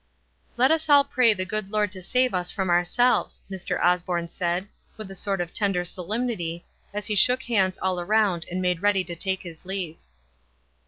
M Let us all pray the good Lord to save us from ourselves," Mr. Osborne said, with a sort of tender solemnity, as he shook hands all around and made ready to take his leave.